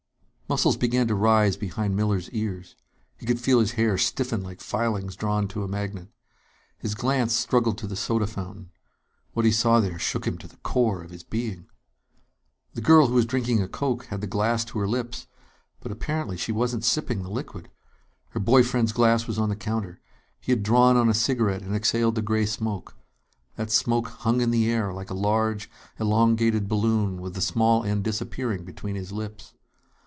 Muscles began to rise behind Miller's ears. He could feel his hair stiffen like filings drawn to a magnet. His glance struggled to the soda fountain. What he saw there shook him to the core of his being. The girl who was drinking a coke had the glass to her lips, but apparently she wasn't sipping the liquid. Her boy friend's glass was on the counter. He had drawn on a cigarette and exhaled the gray smoke. That smoke hung in the air like a large, elongated balloon with the small end disappearing between his lips.